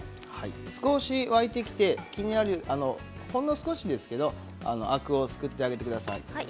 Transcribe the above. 少し沸いてきてほんの少しですけどアクをすくってあげてください。